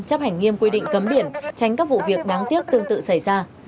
chấp hành nghiêm quy định cấm biển tránh các vụ việc đáng tiếc tương tự xảy ra